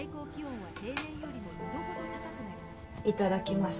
いただきます。